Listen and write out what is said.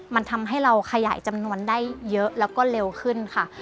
มันทำให้เราขยายจำนวนได้เยอะแล้วก็เร็วขึ้นค่ะ